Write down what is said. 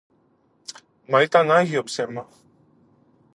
Μα ήταν άγιο ψέμα.